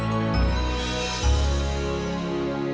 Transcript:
selamat tidur sayang